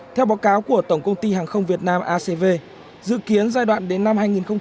theo báo cáo của tổng công ty hàng không việt nam acv dự kiến giai đoạn đến năm hai nghìn hai mươi